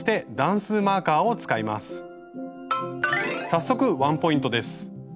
早速ワンポイントです。